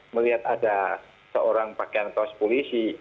melihat ada seorang pakaian kos polisi